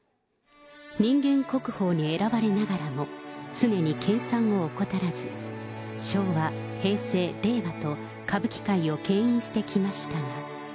人間国宝に選ばれながらも、常に研さんを怠らず、昭和、平成、令和と、歌舞伎界をけん引してきましたが。